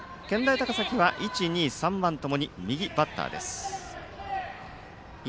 高崎は１、２、３番ともに右バッターです。